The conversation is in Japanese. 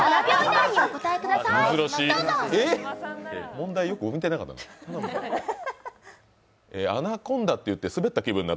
問題よく見てなかったな。